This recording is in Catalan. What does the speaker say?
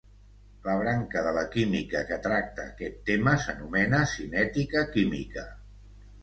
La branca de la química que tracta aquest tema s'anomena cinètica química.